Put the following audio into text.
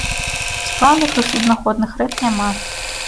Сплаўных і суднаходных рэк няма.